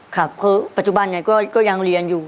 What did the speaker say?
ครับคือปัจจุบันเนี่ยก็ยังเรียนอยู่